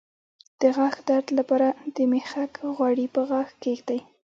د غاښ درد لپاره د میخک غوړي په غاښ کیږدئ